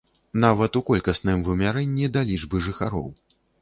Нават у колькасным вымярэнні да лічбы жыхароў.